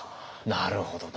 なるほどな。